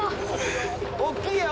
大きいよ！